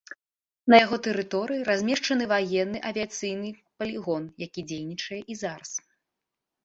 На яго тэрыторыі размешчаны ваенны авіяцыйны палігон, які дзейнічае і зараз.